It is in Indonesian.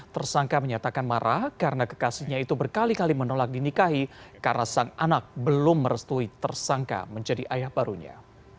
tersangka menyatakan marah karena kekasihnya itu berkali kali menolak dinikahi karena sang anak belum merestui tersangka menjadi ayah barunya